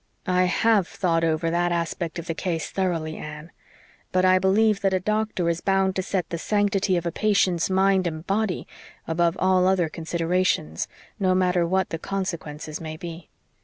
"I HAVE thought over that aspect of the case thoroughly, Anne. But I believe that a doctor is bound to set the sanctity of a patient's mind and body above all other considerations, no matter what the consequences may be.